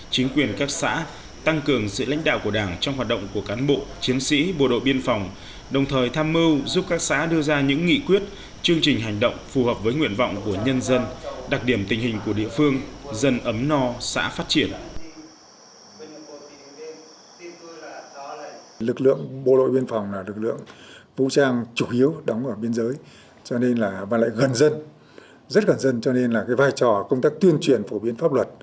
chính quyền các xã tăng cường sự lãnh đạo của đảng trong hoạt động của cán bộ chiến sĩ bộ đội biên phòng đồng thời tham mưu giúp các xã đưa ra những nghị quyết chương trình hành động phù hợp với nguyện vọng của nhân dân đặc điểm tình hình của địa phương dân ấm no xã phát triển